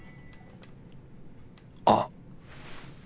あっ。